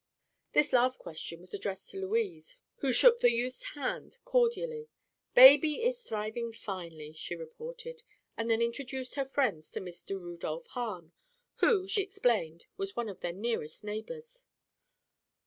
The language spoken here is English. This last question was addressed to Louise, who shook the youth's hand cordially. "Baby is thriving finely," she reported, and then introduced her friends to Mr. Rudolph Hahn, who, she explained, was one of their nearest neighbors.